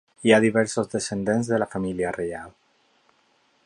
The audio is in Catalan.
Hi ha diversos descendents de la família reial.